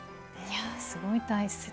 いやすごい大切。